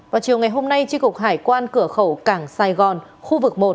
vào chiều ngày hôm nay tri cục hải quan cửa khẩu cảng sài gòn khu vực một